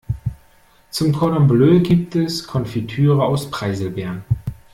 Zum Cordon Bleu gibt es Konfitüre aus Preiselbeeren.